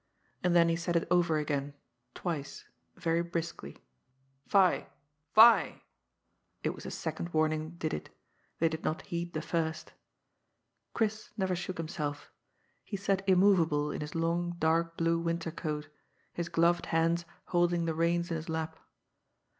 And then he said it over again, twice, very briskly. *' Fie I fie!'' It was the second warning did it. They did not heed the first. Chris never shook himself. He sat immovable in his long dark blue winter coat, his gloved hands holding the reins in his lap.